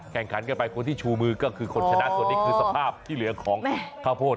ขันกันไปคนที่ชูมือก็คือคนชนะส่วนนี้คือสภาพที่เหลือของข้าวโพด